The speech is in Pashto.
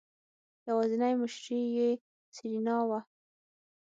يوازينی مشتري يې سېرېنا وه.